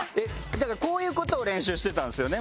だからこういう事を練習してたんですよね。